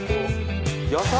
野菜？